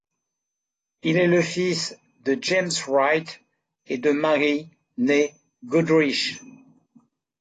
Il est le fils de James Wright et de Mary, née Goodrich.